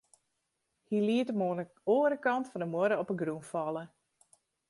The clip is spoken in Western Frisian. Hy liet him oan 'e oare kant fan de muorre op 'e grûn falle.